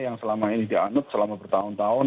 yang selama ini dianut selama bertahun tahun